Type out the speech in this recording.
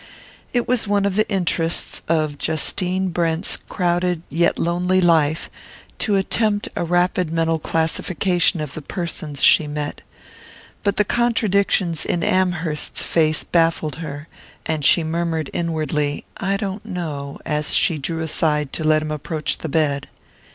It was one of the interests of Justine Brent's crowded yet lonely life to attempt a rapid mental classification of the persons she met; but the contradictions in Amherst's face baffled her, and she murmured inwardly "I don't know" as she drew aside to let him approach the bed.